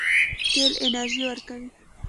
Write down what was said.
تیل انرژي ورکوي.